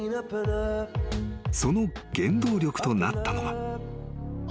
［その原動力となったのが］